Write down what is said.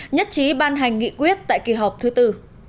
nhất trí ban hành nghị quyết tại kỳ họp thứ tư